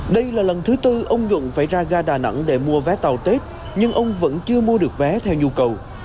đây là lần thứ tư ông nhuận phải ra ga đà nẵng để mua vé tàu tết nhưng ông vẫn chưa mua được vé theo nhu cầu